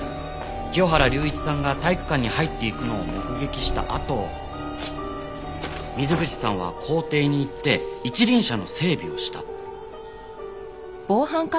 清原隆一さんが体育館に入っていくのを目撃したあと水口さんは校庭に行って一輪車の整備をした。